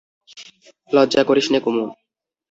লজ্জা করিস নে কুমু।